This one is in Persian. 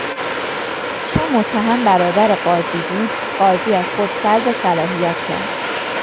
چون متهم برادر قاضی بود قاضی از خود سلب صلاحیت کرد.